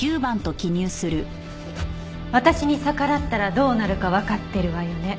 「私に逆らったらどうなるかわかってるわよね」